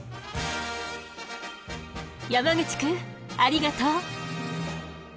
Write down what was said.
山口くんありがとう。